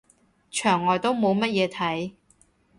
牆外都冇乜嘢睇